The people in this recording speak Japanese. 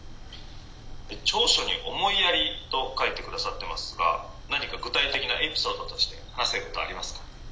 「長所に思いやりと書いて下さってますが何か具体的なエピソードとして話せることありますか？」。